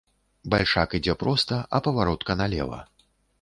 Бальшак ідзе проста, а паваротка налева.